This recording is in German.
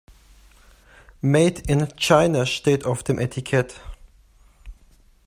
Made in China steht auf dem Etikett.